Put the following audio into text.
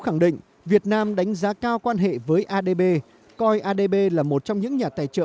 khẳng định việt nam đánh giá cao quan hệ với adb coi adb là một trong những nhà tài trợ